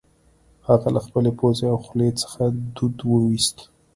هغه له خپلې پوزې او خولې څخه دود وایوست